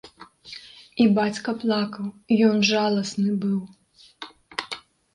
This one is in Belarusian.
І бацька плакаў, ён жаласны быў.